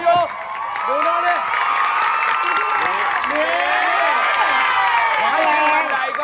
โอ้โฮ